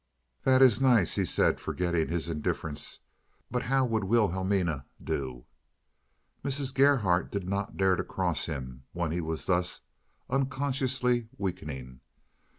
"That is nice," he said, forgetting his indifference. "But how would Wilhelmina do?" Mrs. Gerhardt did not dare cross him when he was thus unconsciously weakening.